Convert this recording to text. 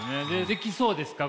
できそうですか？